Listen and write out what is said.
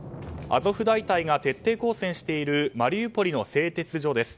アゾフ大隊が徹底抗戦しているマリウポリの製鉄所です。